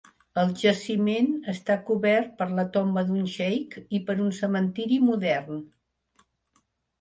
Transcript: El jaciment està cobert per la tomba d'un xeic i per un cementiri modern.